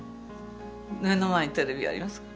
目の前にテレビありますから。